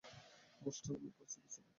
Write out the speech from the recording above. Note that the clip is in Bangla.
ঘোস্ট নামে পরিচিত ছিল।